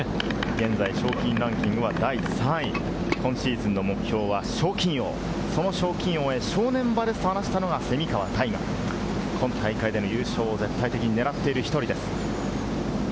現在賞金ランキングは第３位、今シーズンの目標は賞金王、その賞金王へ正念場ですと話したのが、蝉川泰果、今大会での優勝を絶対的に狙っている１人です。